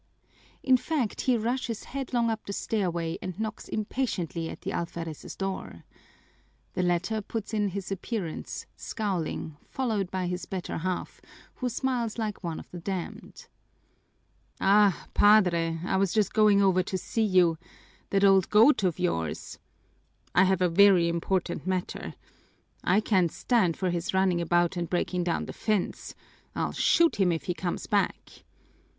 In fact, he rushes headlong up the stairway and knocks impatiently at the alferez's door. The latter puts in his appearance, scowling, followed by his better half, who smiles like one of the damned. "Ah, Padre, I was just going over to see you. That old goat of yours " "I have a very important matter " "I can't stand for his running about and breaking down the fence. I'll shoot him if he comes back!"